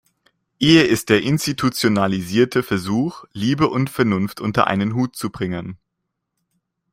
Ehe ist der institutionalisierte Versuch, Liebe und Vernunft unter einen Hut zu bringen.